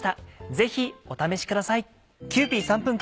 ぜひお試しください。